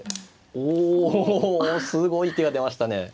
おすごい手が出ましたね。